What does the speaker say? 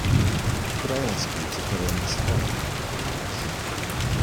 Could I ask you to fill in this form, please?